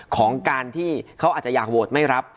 ของการที่เขาอาจจะอยากโหวตไม่รับ